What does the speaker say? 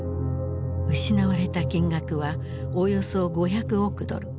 失われた金額はおよそ５００億ドル。